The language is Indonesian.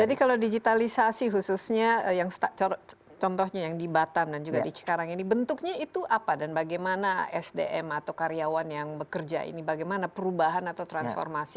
jadi kalau digitalisasi khususnya yang contohnya yang di batam dan juga di cikarang ini bentuknya itu apa dan bagaimana sdm atau karyawan yang bekerja ini bagaimana perubahan atau transformasi